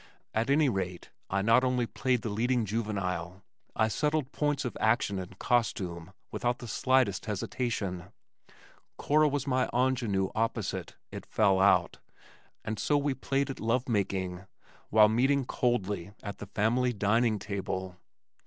At any rate, I not only played the leading juvenile, I settled points of action and costume without the slightest hesitation. Cora was my ingenue opposite, it fell out, and so we played at love making, while meeting coldly at the family dining table.